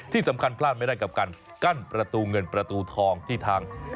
พลาดไม่ได้กับการกั้นประตูเงินประตูทองที่ทาง